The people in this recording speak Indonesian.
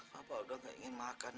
bapak udah gak ingin makan